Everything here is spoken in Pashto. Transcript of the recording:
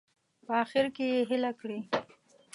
په اخره کې یې هیله کړې.